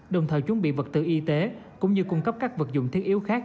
đồng thời chuẩn bị vật tư y tế cũng như cung cấp các vật dụng thiết yếu khác